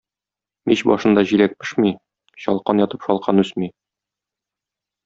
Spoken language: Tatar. Мич башында җиләк пешми, чалкан ятып шалкан үсми.